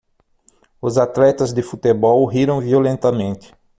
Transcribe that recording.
Os atletas de futebol riram violentamente.